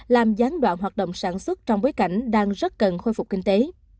làm gián đoạn hoạt động sản xuất trong bối cảnh đang rất cần khôi phục kinh tế